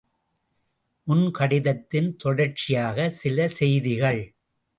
முன் கடிதத்தின் தொடர்ச்சியாகச் சில செய்திகள்!